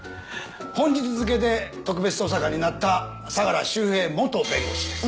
本日付で特別捜査官になった相良修平元弁護士です。